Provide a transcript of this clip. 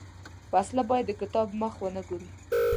وسله باید د کتاب مخ ونه ګوري